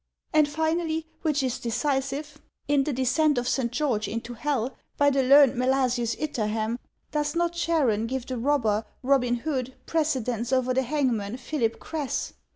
And finally, which is decisive, in the ' Descent of Saint George into Hell,' by the learned Melasius Itur ham, does not Charon give the robber, Robin Hood, pre cedence over the hangman, Philip Crass